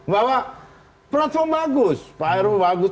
bahwa platform bagus